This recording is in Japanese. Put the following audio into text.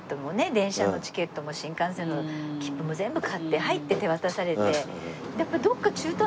電車のチケットも新幹線の切符も全部買って「はい」って手渡されて。